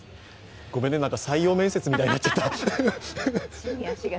ごめんね採用面接みたいになっちゃった。